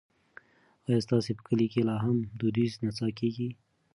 ایا ستاسو په کلي کې لا هم دودیزه نڅا کیږي؟